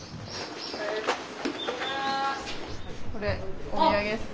これお土産っす。